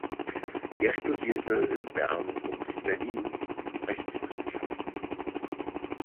Er studierte in Bern und Berlin Rechtswissenschaft.